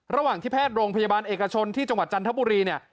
ระหว่างที่แพทย์โรงพยาบาลเอกชนที่จังหวัดจันทบุรีเนี่ย